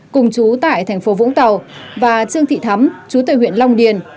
cùng chú tại thành phố vũng tàu và trương thị thắm chú tại huyện long điền